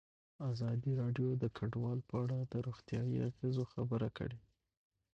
ازادي راډیو د کډوال په اړه د روغتیایي اغېزو خبره کړې.